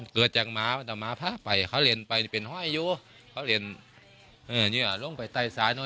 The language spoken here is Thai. ก็เจอนะคะ